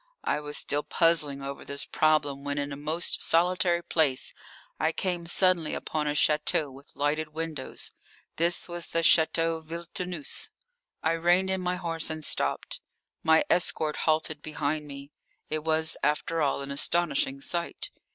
I was still puzzling over this problem when in a most solitary place I came suddenly upon a château with lighted windows. This was the Château Villetaneuse. I reined in my horse and stopped. My escort halted behind me. It was, after all, an astonishing sight.